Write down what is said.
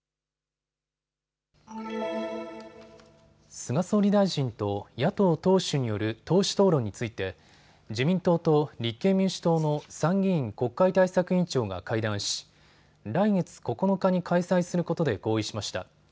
菅総理大臣と野党党首による党首討論について自民党と立憲民主党の参議院国会対策委員長が会談し、来月９日に開催することで合意しました。